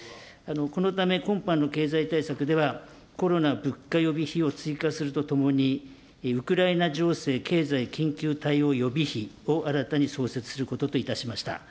このため、今般の経済対策ではコロナ物価予備費を追加するとともに、ウクライナ情勢経済緊急対応予備費を新たに創設することといたしました。